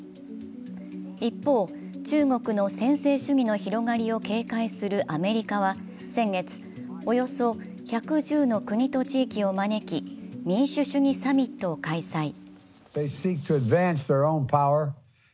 一方、中国の専制主義の広がりを警戒するアメリカは先月、およそ１１０の国と地域を招き、民主主義サミットを開催。